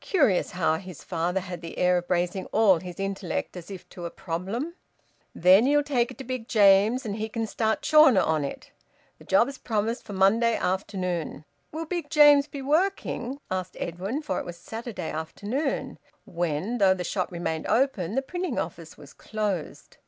Curious, how his father had the air of bracing all his intellect as if to a problem! "Then ye'll take it to Big James, and he can start Chawner on it. Th' job's promised for Monday forenoon." "Will Big James be working?" asked Edwin, for it was Saturday afternoon, when, though the shop remained open, the printing office was closed.